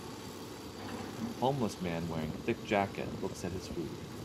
Homeless man wearing thick jacket looks at his food.